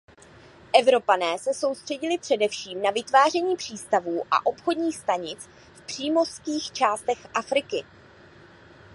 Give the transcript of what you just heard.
Evropané se soustředili především na vytváření přístavů a obchodních stanic v přímořských částech Afriky.